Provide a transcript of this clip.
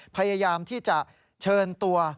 พยายามที่จะเชิญตัว